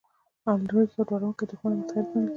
الاریک یو ډاروونکی دښمن او متحد ګڼل کېده